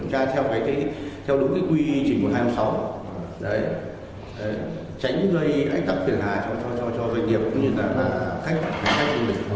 đấy tránh gây ánh tắc thiền hà cho doanh nghiệp cũng như là khách khách du lịch qua trạm